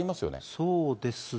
そうですね。